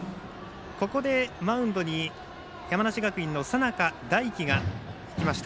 ここでマウンドに山梨学院の佐仲大輝が行きました。